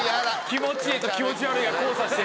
気持ちええと気持ち悪いが交差して。